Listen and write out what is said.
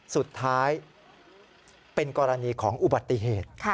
สุดท้ายเป็นกรณีของอุบัติเหตุ